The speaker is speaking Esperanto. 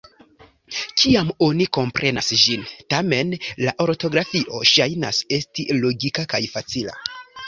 Kiam oni komprenas ĝin, tamen, la ortografio ŝajnas esti logika kaj facila.